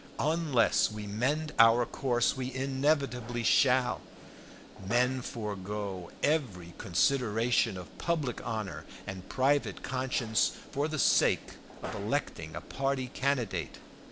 Unless we mend our course we inevitably shall. Men forego every consideration of public honor and private conscience for the sake of electing a party candidate.